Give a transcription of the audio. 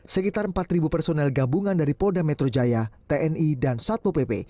sekitar empat personel gabungan dari polda metro jaya tni dan satmo pp